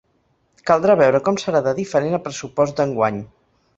Caldrà veure com serà de diferent el pressupost d’enguany.